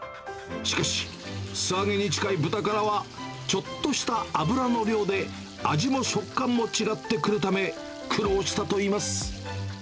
しかし、素揚げに近いブタカラは、ちょっとした油の量で味も食感も違ってくるため、苦労したといいます。